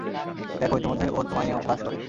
দেখো, ইতোমধ্যেই ও তোমায় নিয়ে উপহাস করে।